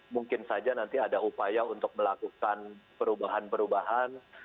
mungkin saja nanti ada upaya untuk melakukan perubahan perubahan